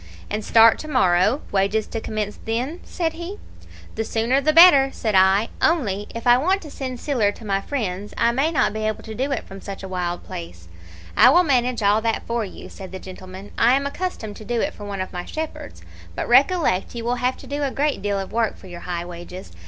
"'And start to morrow, wages to commence then?' said he. "'The sooner the better,' said I. 'Only, if I want to send siller to my friends I may not be able to do it from such a wild place.' "'I will manage all that for you,' said the gentleman. 'I am accustomed to do it for one of my shepherds. But recollect you will have to do a great deal of work for your high wages.